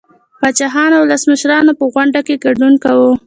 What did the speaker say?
پاچاهانو او ولسمشرانو په غونډو کې ګډون کاوه